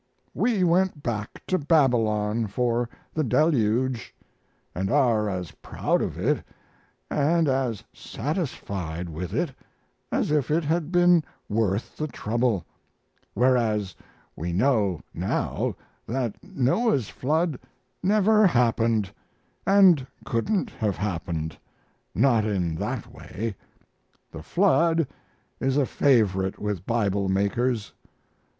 We went back to Babylon for the Deluge, and are as proud of it and as satisfied with it as if it had been worth the trouble; whereas we know now that Noah's flood never happened, and couldn't have happened not in that way. The flood is a favorite with Bible makers.